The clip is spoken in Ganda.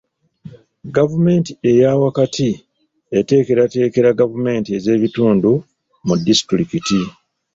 Gavumenti eya wakati eteekateekera gavumenti ez'ebitundu mu disitulikiti.